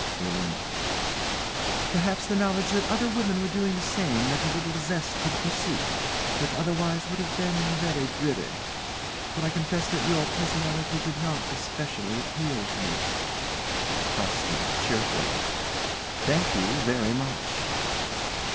ALINE. Perhaps the knowledge that other women were doing the same lent a little zest to the pursuit, which otherwise would have been very dreary; for I confess that your personality did not especially appeal to me. CROCKSTEAD. [Cheerfully.] Thank you very much.